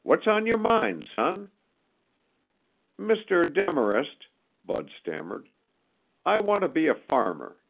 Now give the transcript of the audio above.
"What's on your mind, son?" "Mr. Demarest," Bud stammered, "I want to be a farmer."